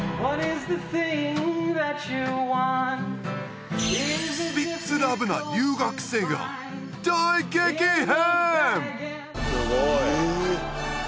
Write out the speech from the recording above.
スピッツラブな留学生が大激変！